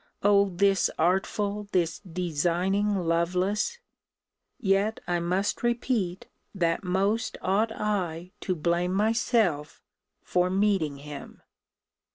O this artful, this designing Lovelace yet I must repeat, that most ought I to blame myself for meeting him.